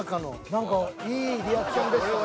何かいいリアクションでしたね。